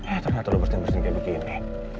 eh ternyata lo bersin bersin kayak begini